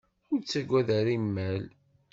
Ur ttagad ara imal!